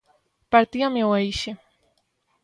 Partíame o eixe.